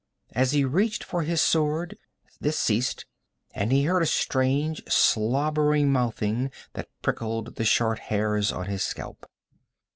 As he reached for his sword, this ceased and he heard a strange slobbering mouthing that prickled the short hairs on his scalp.